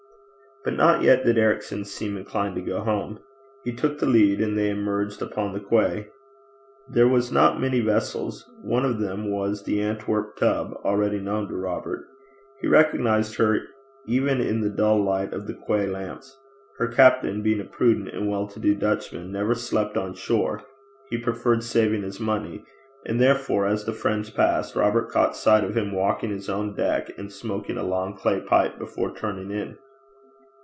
But not yet did Ericson seem inclined to go home. He took the lead, and they emerged upon the quay. There were not many vessels. One of them was the Antwerp tub, already known to Robert. He recognized her even in the dull light of the quay lamps. Her captain being a prudent and well to do Dutchman, never slept on shore; he preferred saving his money; and therefore, as the friends passed, Robert caught sight of him walking his own deck and smoking a long clay pipe before turning in.